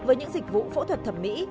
với những dịch vụ phẫu thuật thẩm mỹ